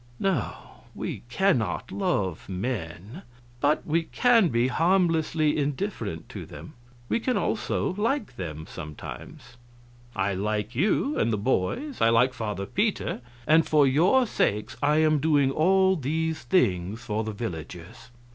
No, we cannot love men, but we can be harmlessly indifferent to them; we can also like them, sometimes. I like you and the boys, I like father Peter, and for your sakes I am doing all these things for the villagers."